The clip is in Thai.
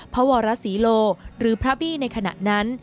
พระวรศรีโลหรือพระบี้ในขณะนั้น